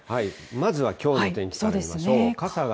まずはきょうの天気から見ましょう。